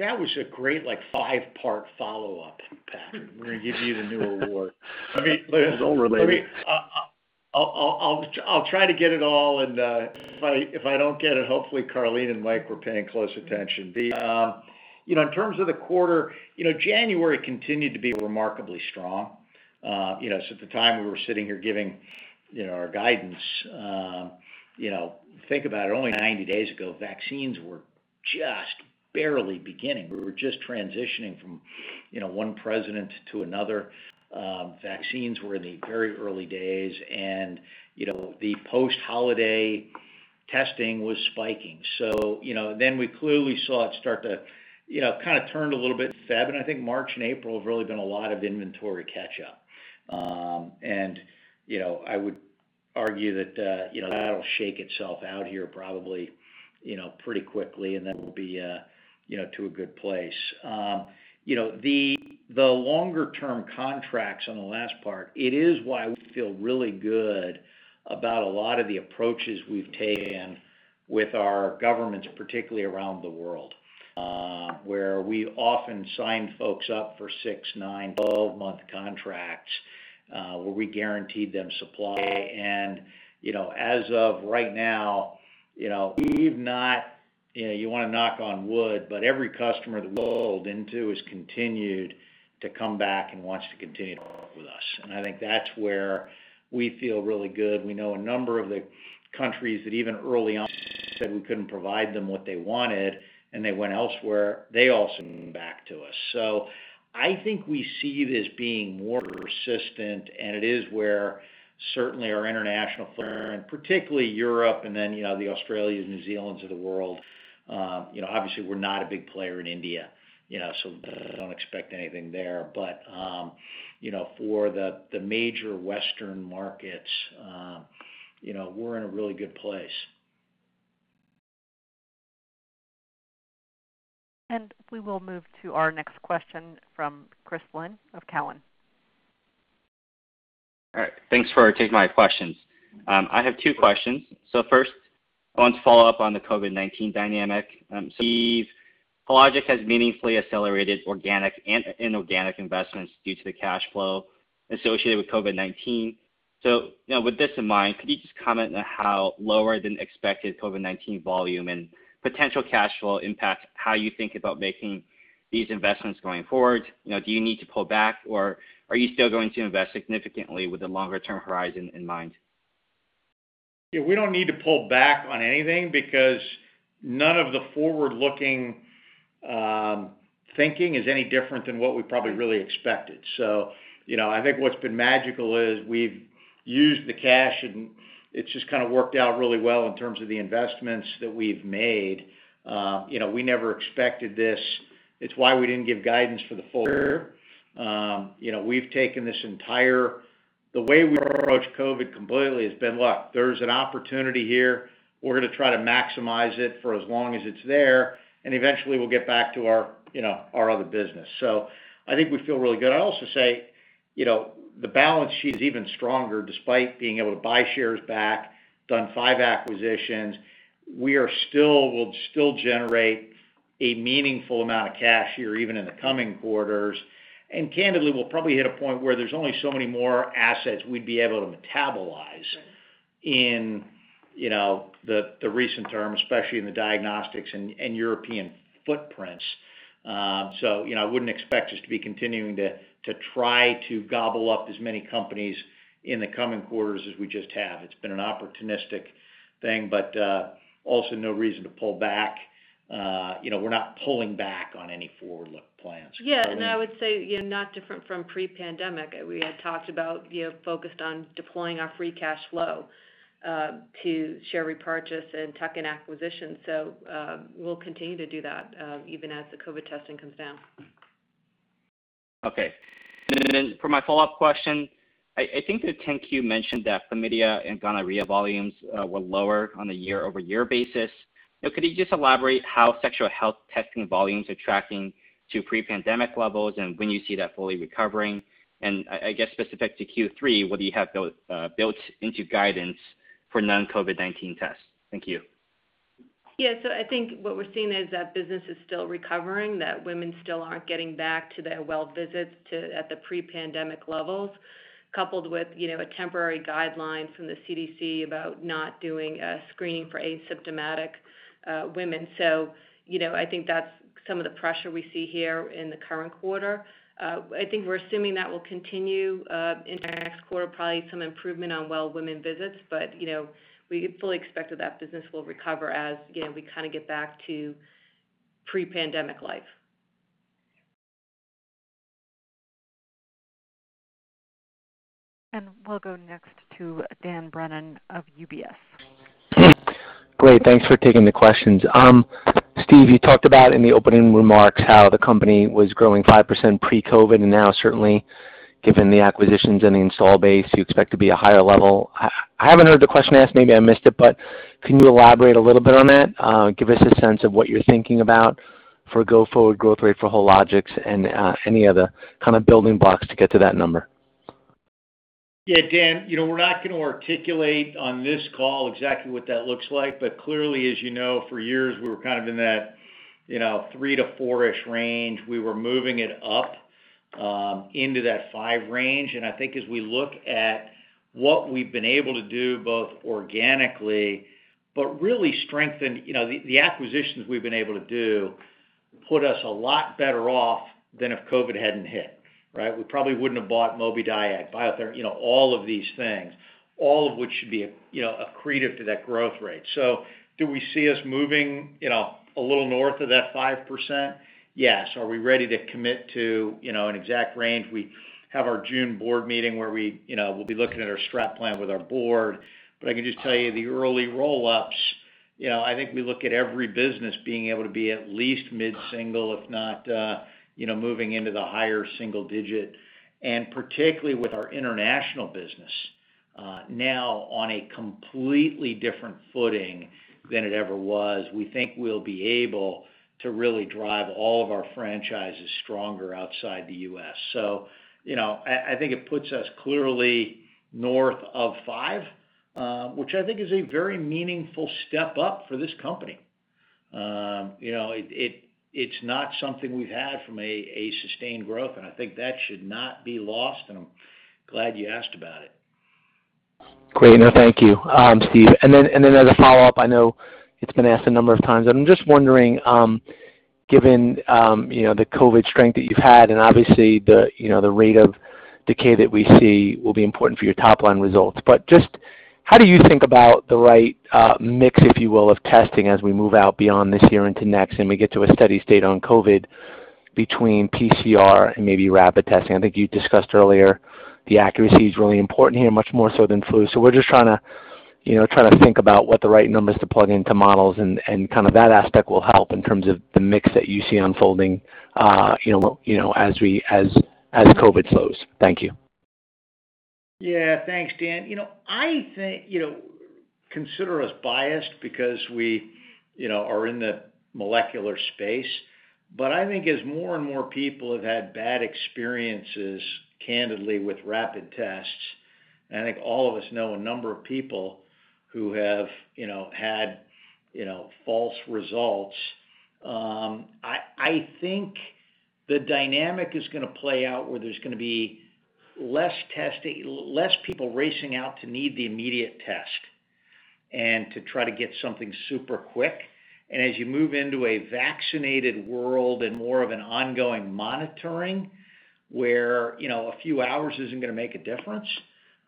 Speaker 3: That was a great, like, five-part follow-up, Patrick. We're going to give you the new award.
Speaker 8: It's all related.
Speaker 3: I'll try to get it all, and if I don't get it, hopefully Karleen and Mike were paying close attention. In terms of the quarter, January continued to be remarkably strong. At the time we were sitting here giving our guidance. Think about it, only 90 days ago, vaccines were just barely beginning. We were just transitioning from one president to another. Vaccines were in the very early days, and the post-holiday testing was spiking. We clearly saw it start to kind of turned a little bit in Feb, and I think March and April have really been a lot of inventory catch-up. I would argue that that'll shake itself out here probably pretty quickly, then we'll be to a good place. The longer-term contracts on the last part, it is why we feel really good about a lot of the approaches we've taken with our governments, particularly around the world, where we often sign folks up for six, nine, 12-month contracts, where we guaranteed them supply. As of right now, you want to knock on wood, but every customer that we've rolled into has continued to come back and wants to continue to work with us. I think that's where we feel really good. We know a number of the countries that even early on said we couldn't provide them what they wanted, and they went elsewhere, they also have come back to us. I think we see this being more persistent, it is where certainly our international footprint, particularly Europe and then, the Australias, New Zealands of the world. We're not a big player in India, so we don't expect anything there. For the major Western markets, we're in a really good place.
Speaker 1: We will move to our next question from Chris Lin of Cowen.
Speaker 9: All right. Thanks for taking my questions. I have two questions. First, I wanted to follow up on the COVID-19 dynamic. Steve, Hologic has meaningfully accelerated organic and inorganic investments due to the cash flow associated with COVID-19. With this in mind, could you just comment on how lower-than-expected COVID-19 volume and potential cash flow impacts how you think about making these investments going forward? Do you need to pull back, or are you still going to invest significantly with a longer-term horizon in mind?
Speaker 3: Yeah. We don't need to pull back on anything because none of the forward-looking thinking is any different than what we probably really expected. I think what's been magical is we've used the cash, and it's just kind of worked out really well in terms of the investments that we've made. We never expected this. It's why we didn't give guidance for the full year. The way we approached COVID completely has been luck. There's an opportunity here. We're going to try to maximize it for as long as it's there, and eventually we'll get back to our other business. I think we feel really good. I also say, the balance sheet is even stronger despite being able to buy shares back, done five acquisitions. We'll still generate a meaningful amount of cash here, even in the coming quarters. Candidly, we'll probably hit a point where there's only so many more assets we'd be able to metabolize in the recent term, especially in the Diagnostics and European footprints. I wouldn't expect us to be continuing to try to gobble up as many companies in the coming quarters as we just have. It's been an opportunistic thing, but also no reason to pull back. We're not pulling back on any forward-look plans.
Speaker 4: Yeah, I would say, not different from pre-pandemic. We had talked about focused on deploying our free cash flow to share repurchase and tuck-in acquisitions. We'll continue to do that even as the COVID testing comes down.
Speaker 9: Okay. For my follow-up question, I think that 10-Q mentioned that chlamydia and gonorrhea volumes were lower on a year-over-year basis. Could you just elaborate how sexual health testing volumes are tracking to pre-pandemic levels and when you see that fully recovering? I guess specific to Q3, what do you have built into guidance for non-COVID-19 tests? Thank you.
Speaker 4: I think what we're seeing is that business is still recovering, that women still aren't getting back to their well visits at the pre-pandemic levels, coupled with a temporary guideline from the CDC about not doing a screening for asymptomatic women. I think that's some of the pressure we see here in the current quarter. I think we're assuming that will continue into our next quarter, probably some improvement on well women visits. We fully expected that business will recover as, again, we kind of get back to pre-pandemic life.
Speaker 1: We'll go next to Dan Brennan of UBS.
Speaker 10: Great. Thanks for taking the questions. Steve, you talked about in the opening remarks how the company was growing 5% pre-COVID. Now certainly given the acquisitions and the install base, you expect to be a higher level. I haven't heard the question asked, maybe I missed it. Can you elaborate a little bit on that? Give us a sense of what you're thinking about for go-forward growth rate for Hologic and any other kind of building blocks to get to that number.
Speaker 3: Yeah, Dan, we're not going to articulate on this call exactly what that looks like. Clearly, as you know, for years, we were kind of in that 3%-4%-ish range. We were moving it up into that 5% range. I think as we look at what we've been able to do, both organically, but really strengthened, the acquisitions we've been able to do put us a lot better off than if COVID hadn't hit, right? We probably wouldn't have bought Mobidiag, Biotheranostics, all of these things, all of which should be accretive to that growth rate. Do we see us moving a little north of that 5%? Yes. Are we ready to commit to an exact range? We have our June board meeting where we'll be looking at our strat plan with our Board. I can just tell you the early roll-ups, I think we look at every business being able to be at least mid-single, if not moving into the higher single digit. Particularly with our international business now on a completely different footing than it ever was. We think we'll be able to really drive all of our franchises stronger outside the U.S. I think it puts us clearly north of 5%, which I think is a very meaningful step up for this company. It's not something we've had from a sustained growth, and I think that should not be lost, and I'm glad you asked about it.
Speaker 10: Great. No, thank you, Steve. As a follow-up, I know it's been asked a number of times, but I'm just wondering, given the COVID strength that you've had, and obviously the rate of decay that we see will be important for your top-line results, but just how do you think about the right mix, if you will, of testing as we move out beyond this year into next, and we get to a steady state on COVID between PCR and maybe rapid testing? I think you discussed earlier, the accuracy is really important here, much more so than flu. We're just trying to think about what the right numbers to plug into models and kind of that aspect will help in terms of the mix that you see unfolding as COVID slows. Thank you.
Speaker 3: Yeah. Thanks, Dan. Consider us biased because we are in the molecular space. I think as more and more people have had bad experiences, candidly, with rapid tests, and I think all of us know a number of people who have had false results, I think the dynamic is going to play out where there's going to be less people racing out to need the immediate test and to try to get something super quick. As you move into a vaccinated world and more of an ongoing monitoring, where a few hours isn't going to make a difference,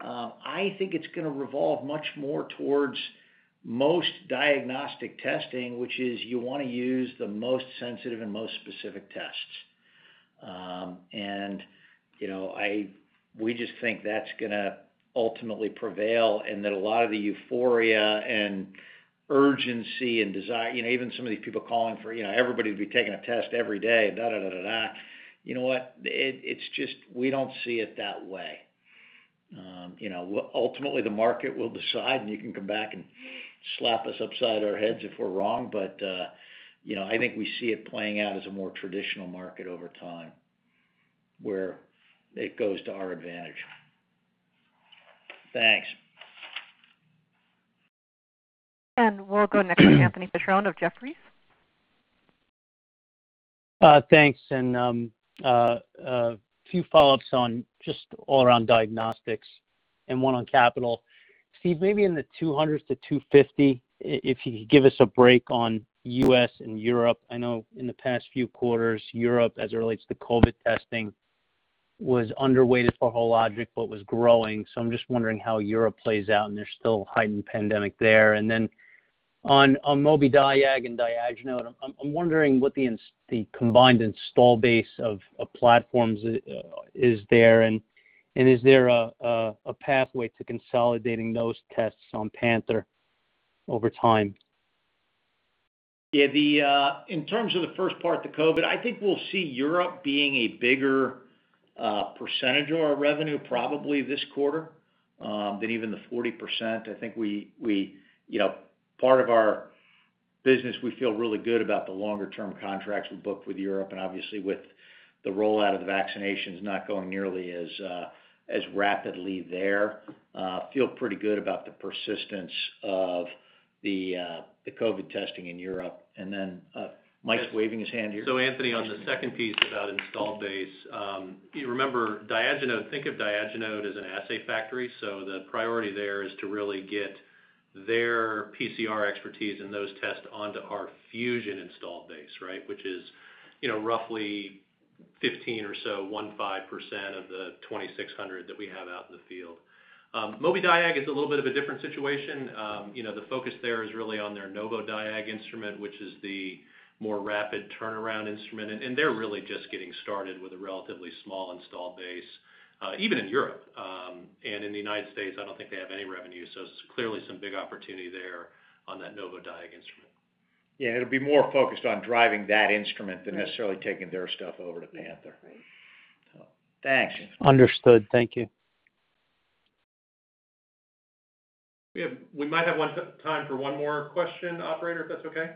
Speaker 3: I think it's going to revolve much more towards most diagnostic testing, which is you want to use the most sensitive and most specific tests. We just think that's going to ultimately prevail and that a lot of the euphoria and urgency and desire, even some of these people calling for everybody to be taking a test every day, da, da, da. You know what? We don't see it that way. Ultimately the market will decide, and you can come back and slap us upside our heads if we're wrong. I think we see it playing out as a more traditional market over time, where it goes to our advantage. Thanks.
Speaker 1: We'll go next to Anthony Petrone of Jefferies.
Speaker 11: Thanks, a few follow-ups all around Diagnostics and one on capital. Steve MacMillan, maybe in the $200 million-$250 million, if you could give us a break on U.S. and Europe. I know in the past few quarters, Europe, as it relates to COVID testing, was underweighted for Hologic, but was growing. I'm just wondering how Europe plays out, and there's still heightened pandemic there. On Mobidiag and Diagenode, I'm wondering what the combined install base of platforms is there, and is there a pathway to consolidating those tests on Panther over time?
Speaker 3: Yeah. In terms of the first part, the COVID, I think we'll see Europe being a bigger percentage of our revenue probably this quarter, than even the 40%. I think part of our business, we feel really good about the longer-term contracts we booked with Europe, and obviously with the rollout of the vaccinations not going nearly as rapidly there. Feel pretty good about the persistence of the COVID testing in Europe. Mike's waving his hand here.
Speaker 2: Anthony, on the second piece about installed base, remember, think of Diagenode as an assay factory. The priority there is to really get their PCR expertise and those tests onto our Fusion installed base, right? Which is roughly 15% or so, 15%, of the 2,600 that we have out in the field. Mobidiag is a little bit of a different situation. The focus there is really on their Novodiag instrument, which is the more rapid turnaround instrument, and they're really just getting started with a relatively small installed base, even in Europe. In the United States, I don't think they have any revenue. There's clearly some big opportunity there on that Novodiag instrument.
Speaker 3: Yeah, it'll be more focused on driving that instrument than necessarily taking their stuff over to Panther. Thanks.
Speaker 11: Understood. Thank you.
Speaker 2: We might have time for one more question, operator, if that's okay.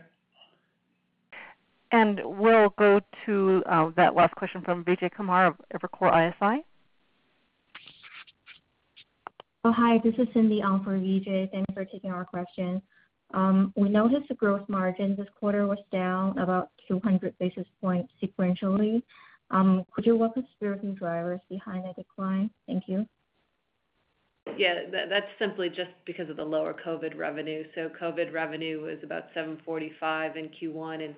Speaker 1: We'll go to that last question from Vijay Kumar of Evercore ISI.
Speaker 12: Oh, hi, this is Cindy on for Vijay. Thank you for taking our question. We noticed the gross margin this quarter was down about 200 basis points sequentially. Could you walk us through the drivers behind that decline? Thank you.
Speaker 4: Yeah. That's simply just because of the lower COVID revenue. COVID revenue was about $745 million in Q1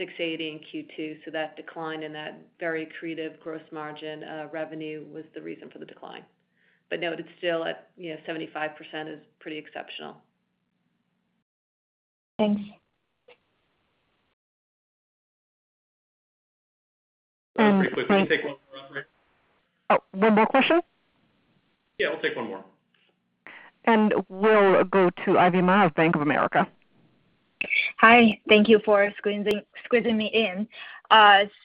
Speaker 4: and $680 million in Q2, so that decline in that very accretive gross margin revenue was the reason for the decline. Noted still at 75% is pretty exceptional.
Speaker 12: Thanks.
Speaker 2: Very quick. Can we take one more, operator?
Speaker 1: Oh, one more question?
Speaker 2: Yeah, we'll take one more.
Speaker 1: We'll go to Ivy Ma of Bank of America.
Speaker 13: Hi. Thank you for squeezing me in.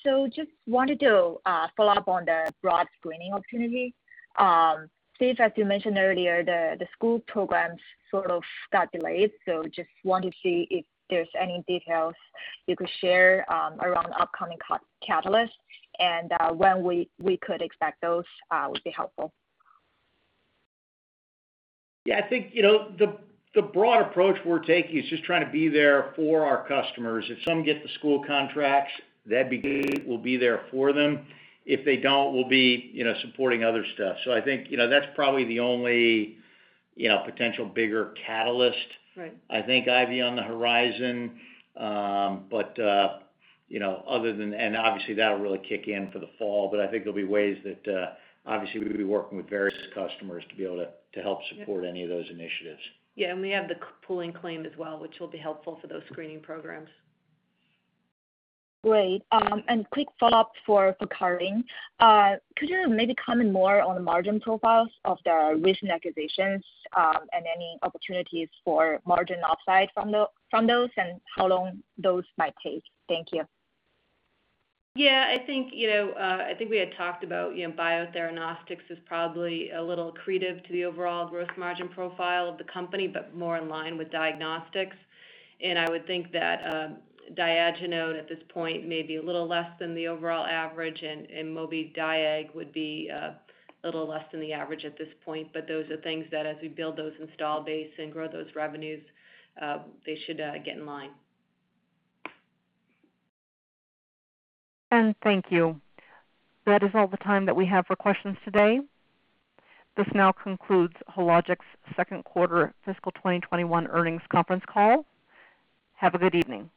Speaker 13: Just wanted to follow up on the broad screening opportunity. Steve, as you mentioned earlier, the school programs sort of got delayed, just wanted to see if there's any details you could share around upcoming catalysts and when we could expect those would be helpful.
Speaker 3: Yeah. I think the broad approach we're taking is just trying to be there for our customers. If some get the school contracts, that'd be great. We'll be there for them. If they don't, we'll be supporting other stuff. I think, that's probably the only potential bigger catalyst-
Speaker 13: Right
Speaker 3: I think, Ivy, on the horizon. Obviously, that'll really kick in for the fall, but I think there'll be ways that obviously we'll be working with various customers to be able to help support any of those initiatives.
Speaker 4: Yeah. We have the pooling claim as well, which will be helpful for those screening programs.
Speaker 13: Great. Quick follow-up for Karleen. Could you maybe comment more on the margin profiles of the recent acquisitions, and any opportunities for margin upside from those and how long those might take? Thank you.
Speaker 4: Yeah. I think we had talked about Biotheranostics as probably a little accretive to the overall gross margin profile of the company, but more in line with diagnostics. I would think that Diagenode at this point may be a little less than the overall average, and Mobidiag would be a little less than the average at this point. Those are things that as we build those install base and grow those revenues, they should get in line.
Speaker 1: Thank you. That is all the time that we have for questions today. This now concludes Hologic's second quarter fiscal 2021 earnings conference call. Have a good evening.